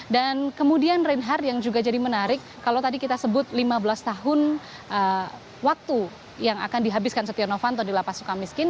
dan kemudian reinhardt yang juga jadi menarik kalau tadi kita sebut lima belas tahun waktu yang akan dihabiskan setia novanto di lapas suka miskin